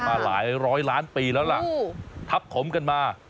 มาหลายร้อยล้านปีแล้วล่ะทับถมกันมา